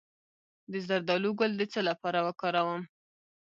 د زردالو ګل د څه لپاره وکاروم؟